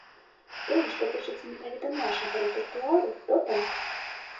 Тое, што тычыцца менавіта нашага рэпертуару, то так.